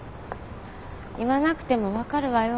言わなくても分かるわよ。